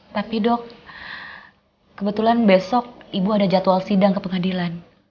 tapi dok kebetulan besok ibu ada jadwal sidang ke pengadilan